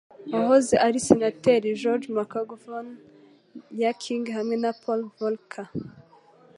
Uwahoze ari senateri George McGovern, yaking hamwe na Paul Volcker